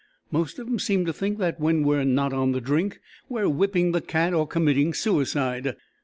"Most of 'em seem to think that when we're not on the drink we're whipping the cat or committing suicide."